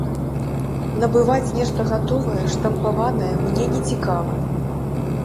Набываць нешта гатовае, штампаванае мне не цікава.